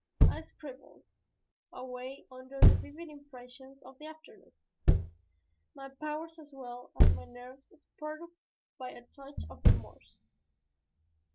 I scribbled away under the vivid impressions of the afternoon, my powers as well as my nerves spurred by a touch of remorse.